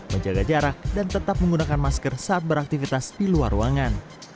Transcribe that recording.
menjaga jarak dan tetap menggunakan masker saat beraktivitas di luar ruangan